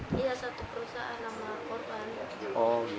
dia satu perusahaan sama korban